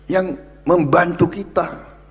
yang membantu kita